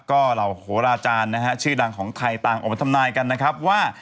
ก็เหล่าโหราจารย์นะฮะชื่อดังของไทยต่างออกมาทำนายกันนะครับว่า